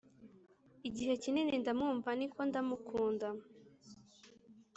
igihe kinini ndamwumva, niko ntamukunda.